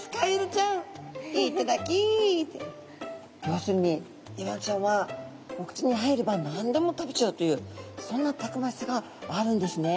要するにイワナちゃんはお口に入れば何でも食べちゃうというそんなたくましさがあるんですね。